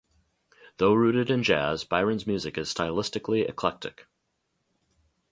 Though rooted in jazz, Byron's music is stylistically eclectic.